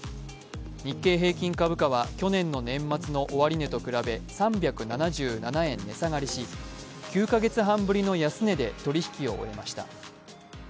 日経平均株価は去年の年末の終値と比べ３７７円値下がりし９カ月ぶりの安値で取引を終えました。